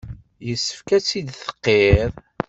Yessefk ad t-id-tqirr.